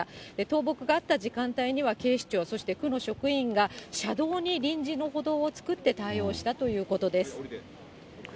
倒木があった時間帯には、警視庁、そして区の職員が、車道に臨時の歩道を作って対応したということです。